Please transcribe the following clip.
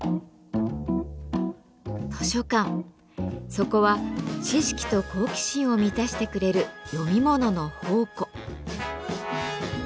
そこは知識と好奇心を満たしてくれる読み物の宝庫。